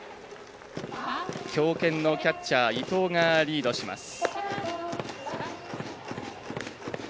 強肩のキャッチャー伊藤がリードします。